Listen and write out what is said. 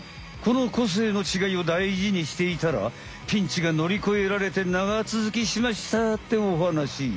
この個性のちがいを大事にしていたらピンチがのりこえられて長続きしましたっておはなし。